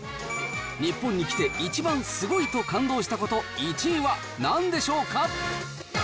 日本に来て一番すごいと感動したこと１位はなんでしょうか。